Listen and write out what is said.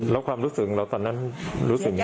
แล้วความรู้สึกเราตอนนั้นรู้สึกยังไง